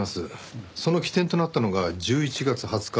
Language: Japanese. その起点となったのが１１月２０日。